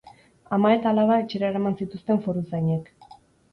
Ama eta alaba etxera eraman zituzten foruzainek.